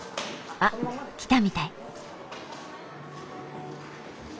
あっ来たみたい。